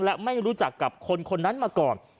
และไม่รู้จักกับคนคนนั้นมาก่อน